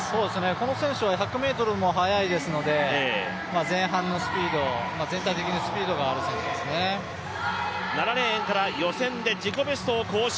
この選手は１００ｍも速いですので前半のスピード７レーンから予選で自己ベストを更新